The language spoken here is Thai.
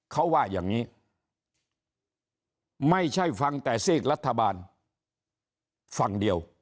เขาว่าอย่างนี้ไม่ใช่ฟังแต่ซีกรัฐบาลฝั่งเดียว